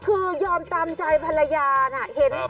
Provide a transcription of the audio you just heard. คือยอมตามใจภรรยานะ